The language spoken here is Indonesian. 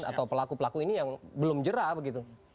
atau pelaku pelaku ini yang belum jerah begitu